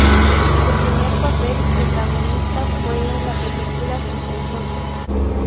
Su primer papel protagonista fue en la película Sospechoso.